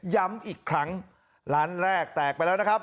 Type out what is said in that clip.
ย้ำอีกครั้งร้านแรกแตกไปแล้วนะครับ